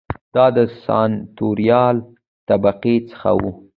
دا د سناتوریال طبقې څخه و